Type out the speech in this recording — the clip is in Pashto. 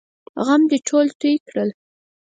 غم دې ټول توی کړل!